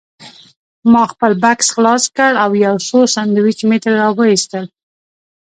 ما خپل بکس خلاص کړ او یو څو سنډوېچ مې ترې راوایستل.